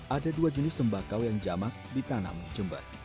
ada dua jenis tembakau yang jamak ditanam di jember